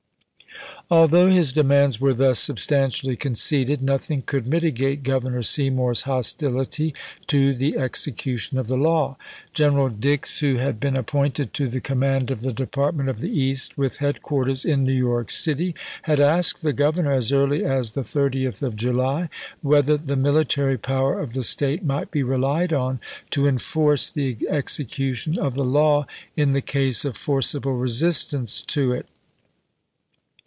Although his demands were thus substantially conceded, nothing could mitigate Governor Sey mour's hostility to the execution of the law. Gen eral Dix, who had been appointed to the command of the Department of the East, with headquarters in New York City, had asked the Governor, as early as the 30th of July, whether the military power of the State might be relied on to enforce the execu tion of the law in the case of forcible resistance to it.